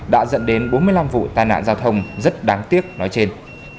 đã dẫn đến bốn mươi năm vụ tai nạn giao thông rất đáng tiếc nói trên